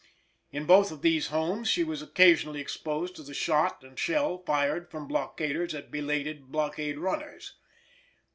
In both of these homes she was occasionally exposed to the shot and shell fired from blockaders at belated blockade runners.